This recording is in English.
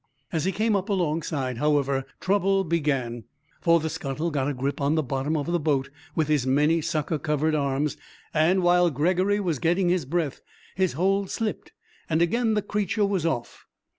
As he came up alongside, however, trouble began, for the scuttle got a grip on the bottom of the boat with his many sucker covered arms, and, while Gregory was getting his breath, his hold slipped, and again the creature was off.